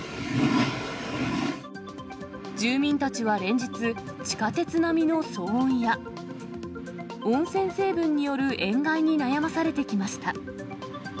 住民たちは連日、地下鉄並みの騒音や、温泉成分による塩害に悩まされてきました。